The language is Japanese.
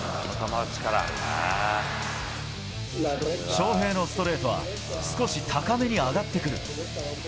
翔平のストレートは、少し高めに上がってくる。